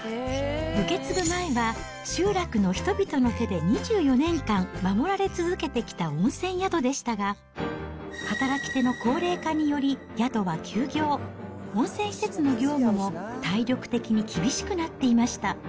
受け継ぐ前は集落の人々の手で２４年間、守られ続けてきた温泉宿ですが、働き手の高齢化により、宿は休業、温泉施設の業務も体力的に厳しくなっていました。